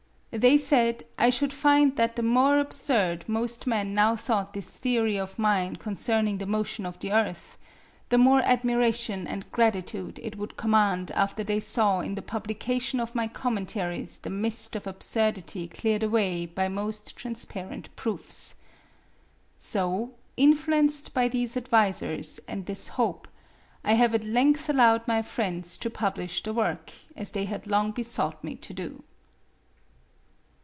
They said I should find that the more absurd most men now thought this theory of mine concerning the motion of the Earth, the more admiration and gratitude it would command after they saw in the publication of my commentaries the mist of absurdity cleared away by most transparent proofs. So, influenced by these advisors and this hope, I have at length allowed my friends to publish the work, as they had long besought me to do.